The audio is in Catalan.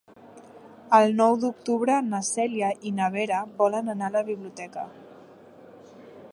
El nou d'octubre na Cèlia i na Vera volen anar a la biblioteca.